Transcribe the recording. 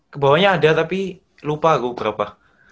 ke bawahnya ada tapi lupa gue berapa